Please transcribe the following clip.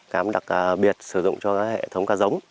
cám đặc biệt sử dụng cho hệ thống cá giống